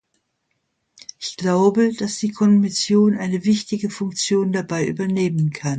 Ich glaube, dass die Kommission eine wichtige Funktion dabei übernehmen kann.